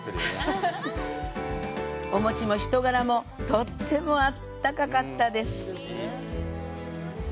お餅も人柄もとっても温かったです。